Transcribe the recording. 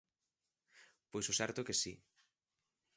Pois o certo é que si.